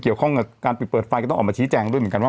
เกี่ยวข้องกับการปิดเปิดไฟก็ต้องออกมาชี้แจงด้วยเหมือนกันว่า